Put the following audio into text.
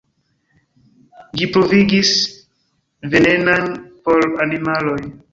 Ĝi pruviĝis venena por animaloj.